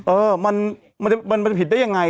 เออมันผิดได้ยังไง